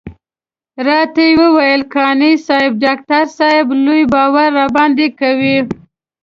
راته وويل قانع صاحب ډاکټر صاحب لوی باور درباندې کوي.